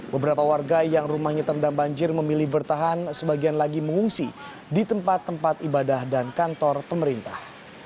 beberapa warga yang rumahnya terendam banjir memilih bertahan sebagian lagi mengungsi di tempat tempat ibadah dan kantor pemerintah